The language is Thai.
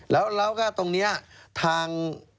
แล้วก็ตรงนี้ทาง